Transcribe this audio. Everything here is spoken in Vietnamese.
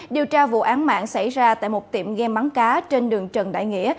điều tra vụ án mạng xảy ra tại một tiệm gam bắn cá trên đường trần đại nghĩa